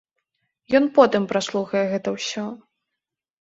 Ён потым праслухае гэта ўсё.